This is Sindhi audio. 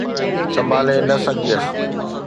سنڀالي نه سگهيس